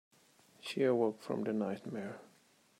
She awoke from the nightmare.